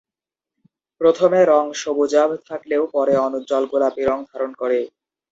প্রথমে রঙ সবুজাভ থাকলেও পরে অনুজ্জ্বল গোলাপি রঙ ধারণ করে।